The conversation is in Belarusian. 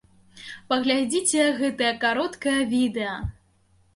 Паглядзіце гэтае кароткае відэа!